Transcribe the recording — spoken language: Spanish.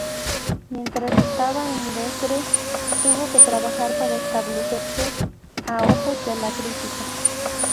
Mientras estaba en Dresde, tuvo que trabajar para establecerse a ojos de la crítica.